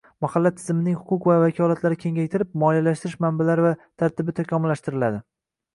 Mahalla tizimining huquq va vakolatlari kengaytirilib, moliyalashtirish manbalari va tartibi takomillashtiriladi.